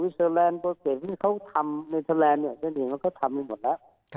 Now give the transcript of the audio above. เซอร์แรนด์ต่อเกดที่เขาทำนับเซอร์แรนด์เนี่ยเท่นเดียวเขาทำอยู่หมดแล้ว